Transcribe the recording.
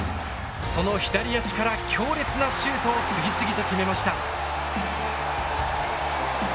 その左足から強烈なシュートを次々と決めました。